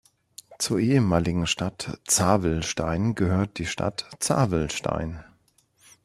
Zur ehemaligen Stadt Zavelstein gehört die Stadt Zavelstein.